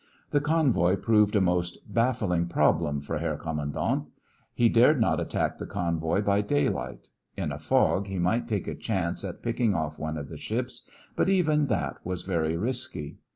The convoy proved a most baffling problem for Herr Kommandant. He dared not attack the convoy by daylight. In a fog he might take a chance at picking off one of the ships, but even that was very risky.